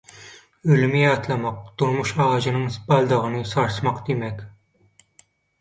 Ölümi ýatlamak durmuş agajynyň baldagyny sarsmak diýmek